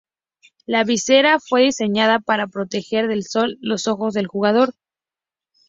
La "visera" fue diseñada para proteger del sol los ojos del jugador.